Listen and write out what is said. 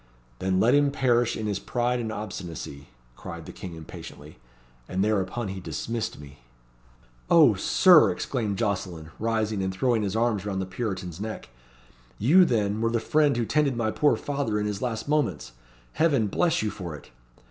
'Then let him perish in his pride and obstinacy,' cried the King impatiently. And thereupon he dismissed me." "O Sir!" exclaimed Jocelyn, rising and throwing, his arms round the Puritan's neck; "you, then, were the friend who tended my poor father in his last moments. Heaven bless you for it!"